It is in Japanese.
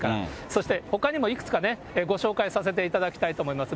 そしてほかにもいくつかね、ご紹介させていただきたいと思います。